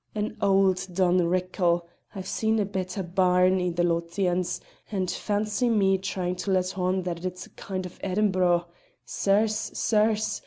"An auld done rickle: I've seen a better barn i' the Lothians, and fancy me tryin' to let on that it's a kind o' Edinbro'! Sirs! sirs!